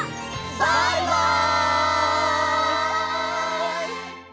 バイバイ！